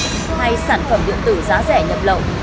dù là rác hải điện tử hay sản phẩm điện tử giá rẻ nhập lậu